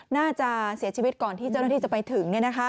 น่าจะเสียชีวิตก่อนที่เจ้าหน้าที่จะไปถึง